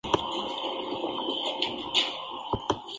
Según el Cfr.